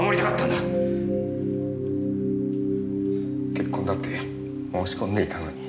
結婚だって申し込んでいたのに。